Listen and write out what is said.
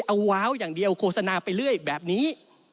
เอาว้าวอย่างเดียวโฆษณาไปเรื่อยแบบนี้